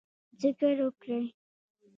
ذکر وکړئ